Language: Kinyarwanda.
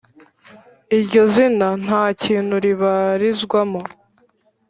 iryo zina ntakintu ribarizwamo